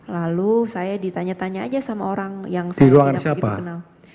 lalu saya ditanya tanya aja sama orang yang saya tidak begitu kenal